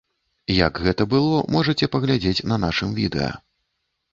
Як гэта было, можаце паглядзець на нашым відэа.